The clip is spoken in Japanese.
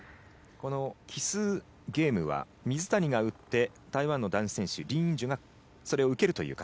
奇数ゲームは水谷が打って台湾の男子選手リン・インジュが受けるという形。